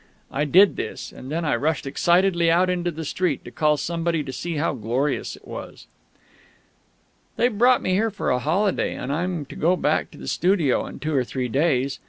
I did this; and then I rushed excitedly out into the street, to call somebody to see how glorious it was.... They've brought me here for a holiday, and I'm to go back to the studio in two or three days.